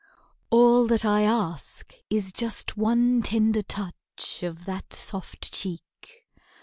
"All that I ask, is just one tender touch Of that soft cheek.